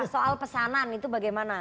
soal pesanan itu bagaimana